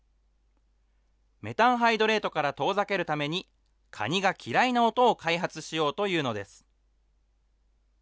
メタンハイドレートから遠ざけるために、カニが嫌いな音を開発しようというのです。